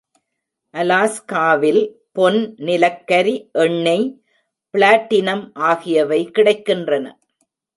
அலாஸ்காவில் பொன், நிலக்கரி, எண்ணெய், பிளாட்டினம் ஆகியவை கிடைக்கின்றன.